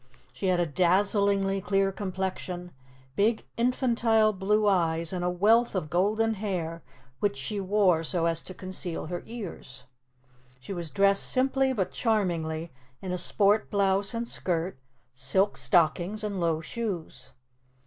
She had a dazzlingly clear complexion, big infantile blue eyes, and a wealth of golden hair which she wore so as to conceal her ears. She was dressed simply but charmingly in a sport blouse and skirt, silk stockings and low shoes.